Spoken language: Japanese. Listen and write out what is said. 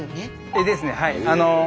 絵ですねはい。